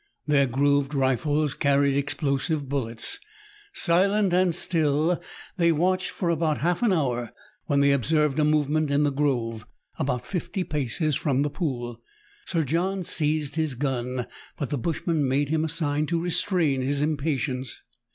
Their grooved rifles carried explosive bullets. Silent and still, they watched for about lialf an hour, when they observed a movement in the grove, about fifty paces from the pool. Sir John seized his gun, but the bushman made him a sign to restrain his impatience.